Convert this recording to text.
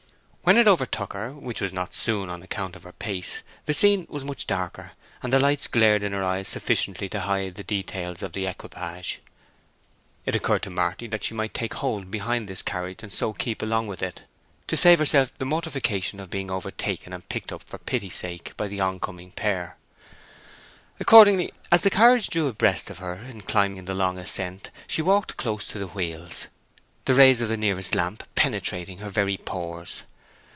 When it overtook her—which was not soon, on account of her pace—the scene was much darker, and the lights glared in her eyes sufficiently to hide the details of the equipage. It occurred to Marty that she might take hold behind this carriage and so keep along with it, to save herself the mortification of being overtaken and picked up for pity's sake by the coming pair. Accordingly, as the carriage drew abreast of her in climbing the long ascent, she walked close to the wheels, the rays of the nearest lamp penetrating her very pores.